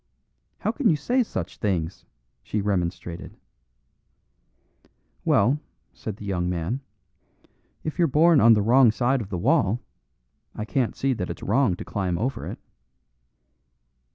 "How can you say such things!" she remonstrated. "Well," said the young man, "if you're born on the wrong side of the wall, I can't see that it's wrong to climb over it."